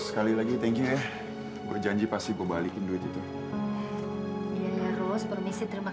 kamu udah ketemu sama ratu belum